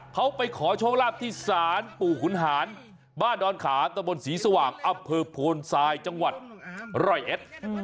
เขาไปขอโชคลาภที่ศาลปู่ขุนหารบ้านดอนขาตะบนศรีสว่างอำเภอโพนทรายจังหวัดร้อยเอ็ด